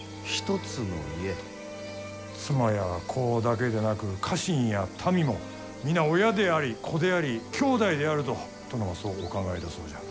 妻や子だけでなく家臣や民も皆、親であり子でありきょうだいであると殿は、そうお考えだそうじゃ。